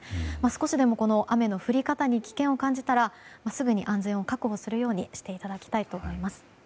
少しでも雨の降り方に危険を感じたらすぐに安全を確保するようにしていただきたいと思います。